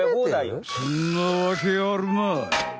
そんなわけあるまい！